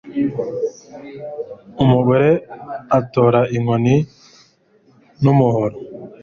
umugore atora inkoni n'umuhoro